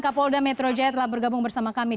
kapolda metro jaya telah bergabung bersama kami